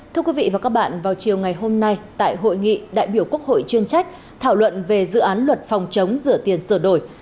thưa quý vị và các bạn vào chiều ngày hôm nay tại hội nghị đại biểu quốc hội chuyên trách thảo luận về dự án luật phòng chống rửa tiền sửa đổi